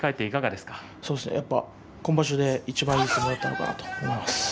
今場所でいちばんいい相撲だったのかなと思います。